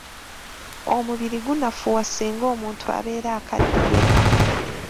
Omubiri gunafuwa singa omuntu abeera akaddiye.